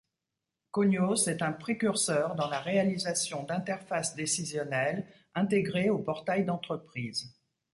Cognos est un précurseur dans la réalisation d'interfaces décisionnelles intégrées aux portails d'entreprises.